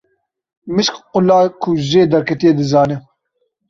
Mişk qula ku jê derketiye dizane.